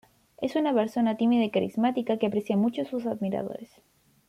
Es una persona tímida y carismática que aprecia mucho a sus admiradores.